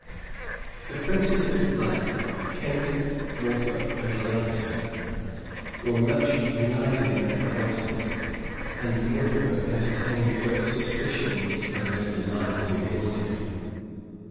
The princes of the blood, Kent, Norfolk, and Lancaster, were much united in their councils; and Mortimer entertained great suspicions of their designs against him.